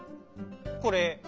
これ。